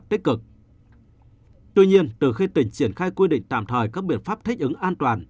tuy nhiên từ khi tỉnh triển khai quy định tạm thời các biện pháp thích ứng an toàn